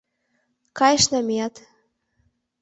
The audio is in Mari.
— Кайышна меат!..